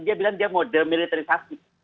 dia bilang dia mau demilitarisasi